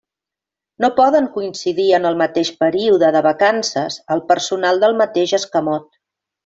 No poden coincidir en el mateix període de vacances el personal del mateix escamot.